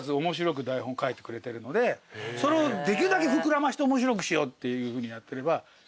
面白く台本書いてくれてるのでそれをできるだけ膨らませて面白くしようっていうふうにやってれば。